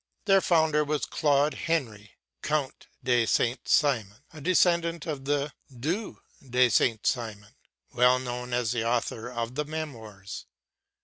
Their founder was Claude Henri, Count de Saint Simon, a descendant of the Due de Saint Simon, well known as the author of the 'Memoirs.'